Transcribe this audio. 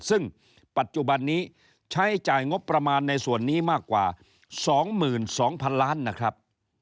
ซึ่งปัจจุบันนี้ใช้จ่ายงบประมาณในส่วนนี้มากกว่า๒๒๐๐๐ล้านนะครับ